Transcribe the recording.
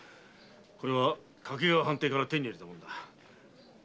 これは掛川藩邸から手に入れた物だ。